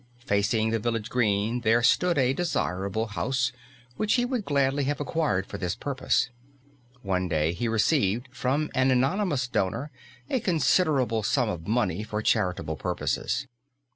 Facing the village green there stood a desirable house, which he would gladly have acquired for this purpose. One day he received from an anonymous donor a considerable sum of money for charitable purposes.